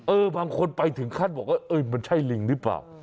บางคนไปถึงขั้นบอกว่ามันใช่ลิงหรือเปล่า